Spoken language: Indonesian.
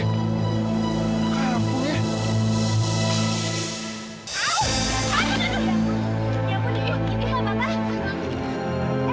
ya ampun ya ampun